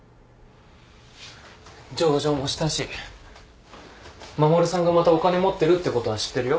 上場したし衛さんがまたお金持ってるってことは知ってるよ。